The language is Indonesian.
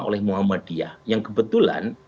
oleh muhammadiyah yang kebetulan